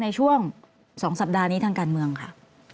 ในช่วง๒สัปดาห์นี้ทางการเมืองค่ะ